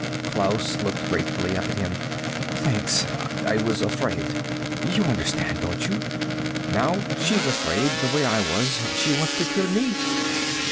Klaus looked gratefully up at him. "Thanks. I was afraid. You understand, don't you? Now she's afraid, the way I was. She wants to kill me."